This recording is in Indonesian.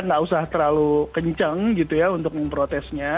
tidak usah terlalu kencang gitu ya untuk memprotesnya